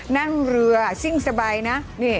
นั่งเรือซิ่งสบายนะ